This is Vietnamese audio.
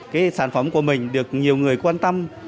cái sản phẩm của mình được nhiều người quan tâm